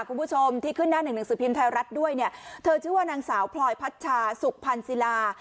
คุณผู้ชมที่ขึ้นหน้าหนึ่งหนังสือพิมพ์ไทยรัฐด้วยเนี่ยเธอชื่อว่านางสาวพลอยพัชชาสุขพันธ์ศิลา